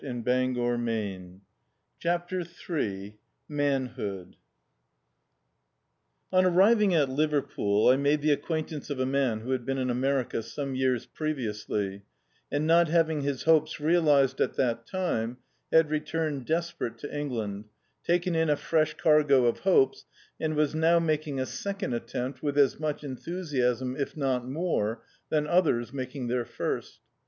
db, Google CHAPTER m ON arriving at Liverpool, I made the ac quaintance of a man who had been in America some years previously, and not having his hopes realised at that time, had returned desperate to England, taken in a fresh cai^ of hopes, and was now maldng a second attempt with as much enthusiasm, if not more, than others in mak ing their first.